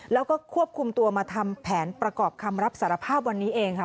แล้วก็ควบคุมตัวมาทำแผนประกอบคำรับสารภาพวันนี้เองค่ะ